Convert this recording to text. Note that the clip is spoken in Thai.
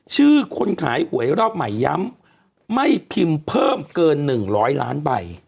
ชื่อคนขายหัวเอียดรอบใหม่ย้ำไม่พิมพ์เพิ่มเกินหนึ่งร้อยล้านใบ